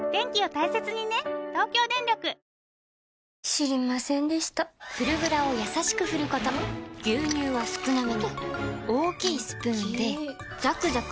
知りませんでした「フルグラ」をやさしく振ること牛乳は少なめに大きいスプーンで最後の一滴まで「カルビーフルグラ」